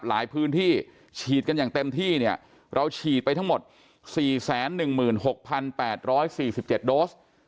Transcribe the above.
หลายพื้นที่ฉีดกันอย่างเต็มที่เนี่ยเราฉีดไปทั้งหมด๔๑๖๘๔๗โดส